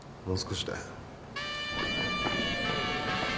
もう少しだよ。